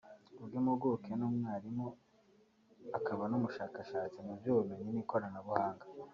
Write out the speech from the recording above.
ubwo impuguke n’umwarimu akaba n’umushakashatsi mu by’ubumenyi n’ikoranabuhanga